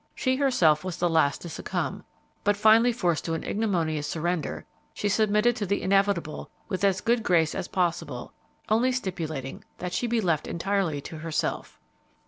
She herself was the last to succumb, but finally forced to an ignominious surrender, she submitted to the inevitable with as good grace as possible, only stipulating that she be left entirely to herself.